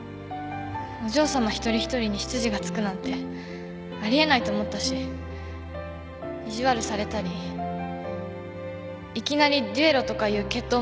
お嬢さま一人一人に執事がつくなんてあり得ないと思ったし意地悪されたりいきなり決闘とかいう決闘